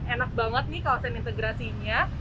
enak banget nih kawasan integrasinya